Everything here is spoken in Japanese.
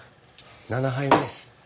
７杯目です。